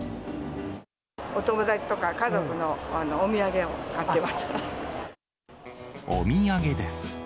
お友達とか家族のお土産を買お土産です。